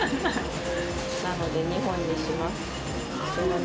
なので、２本にします。